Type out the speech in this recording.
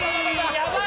やばい！